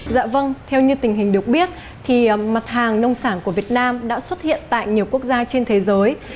dạ vâng theo như tình hình được biết thì mặt hàng nông sản của việt nam đã xuất hiện tại nhiều quốc gia trên thế giới